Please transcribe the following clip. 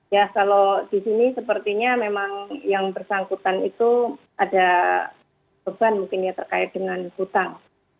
ya kalau di sini sepertinya memang yang bersangkutan itu ada beban mungkin ya terkait dengan hutang